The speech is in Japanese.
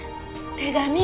手紙！